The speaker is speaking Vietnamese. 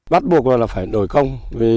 bắt buộc là phải đổi công